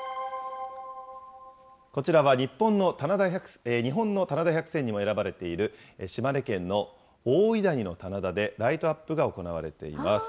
こちらは日本の棚田百選にも選ばれている、島根県の大井谷の棚田で、ライトアップが行われています。